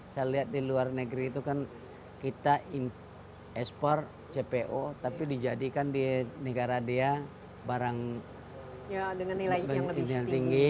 saya lihat di luar negeri itu kan kita ekspor cpo tapi dijadikan di negara dia barang dengan nilai yang lebih tinggi